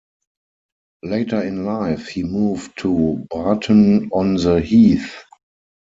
Later in life he moved to Barton-on-the-Heath.